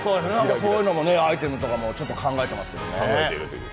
そういうアイテムとかもちょっと考えてますけどね。